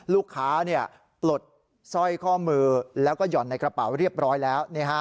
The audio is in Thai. ลูกค้าปลดสร้อยข้อมือแล้วก็หย่อนในกระเป๋าเรียบร้อยแล้ว